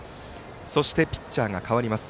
そして、ピッチャーが代わります。